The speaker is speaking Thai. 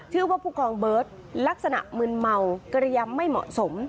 ชื่อว่าผู้กองเบิร์ดลักษณะมึนเมากระยำไม่เหมาะสม